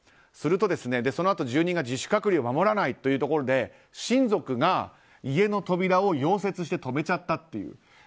すると、そのあと住人が自主隔離を守らないというところで親族が家の扉を溶接して留めちゃったという。